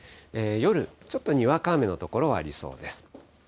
夜、ちょっとにわか雨の所はありそうです。